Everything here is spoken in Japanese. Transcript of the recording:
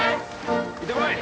いってこい！